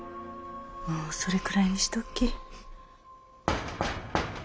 もうそれくらいにしとき。